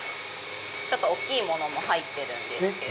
大きいものも入ってるんですけど。